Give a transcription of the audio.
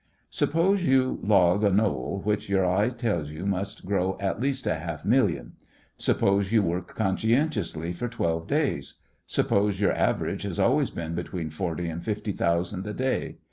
Suppose you log a knoll which your eye tells you must grow at least a half million; suppose you work conscientiously for twelve days; suppose your average has always been between forty and fifty thousand a day.